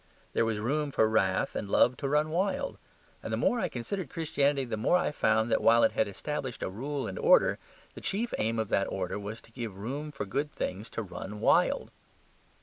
There was room for wrath and love to run wild. And the more I considered Christianity, the more I found that while it had established a rule and order, the chief aim of that order was to give room for good things to run wild.